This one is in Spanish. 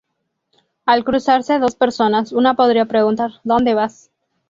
Al cruzarse dos personas una podría preguntar:" ¿dónde vas?